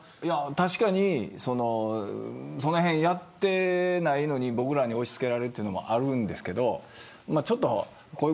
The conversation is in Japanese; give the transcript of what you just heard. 確かに、そのへんやってないのに僕らに押し付けられるのもあるんですけど